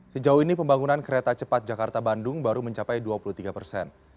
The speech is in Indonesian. sejauh ini pembangunan kereta cepat jakarta bandung baru mencapai dua puluh tiga persen